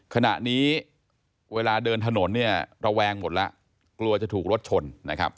ขณะนี้เวลาเดินถนนเนี่ยระแวงหมดแล้วกลัวจะถูกรถชนนะครับ